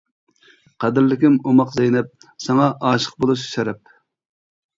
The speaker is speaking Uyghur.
قەدىرلىكىم ئوماق زەينەپ، ساڭا ئاشىق بولۇش شەرەپ.